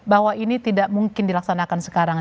bahwa ini tidak mungkin dilaksanakan sekarang